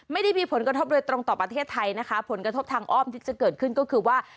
ไม่ได้มีผลกระทบโดยตรงต่อประเทศไทยนะคะผลกระทบทางอ้อมที่จะเกิดขึ้นก็คือว่า